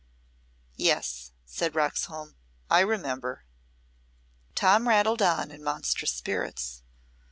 "Yes," said Roxholm; "I remember." Tom rattled on in monstrous spirits.